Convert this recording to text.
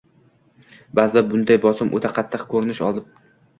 Ba’zida bunday bosim o‘ta qattiq ko‘rinish olib